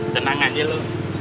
tenang aja lo